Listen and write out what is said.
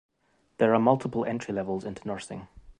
There are multiple entry levels into nursing.